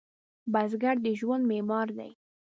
بزګر د ژوند معمار دی